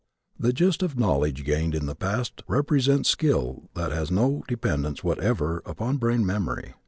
The gist of knowledge gained in the past represents skill that has no dependence whatever upon brain memory.